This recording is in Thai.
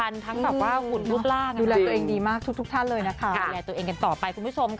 ใช่หลากหลาย